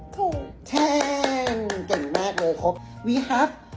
เก่งมากเลยครบ